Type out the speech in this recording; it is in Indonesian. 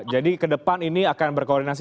jadi kedepan ini akan berkoordinasi